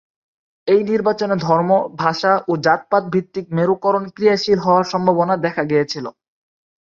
এই নির্বাচনে ধর্ম, ভাষা ও জাতপাত-ভিত্তিক মেরুকরণ ক্রিয়াশীল হওয়ার সম্ভাবনা দেখা গিয়েছিল।